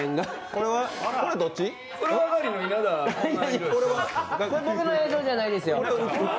これは僕の映像じゃないですよ。